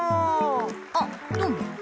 あどうも。